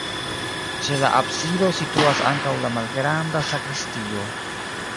Ĉe la absido situas ankaŭ la malgranda sakristio.